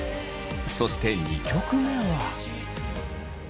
そして２曲目は。